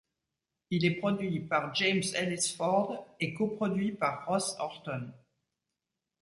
Il est produit par James Ellis Ford et coproduit par Ross Orton.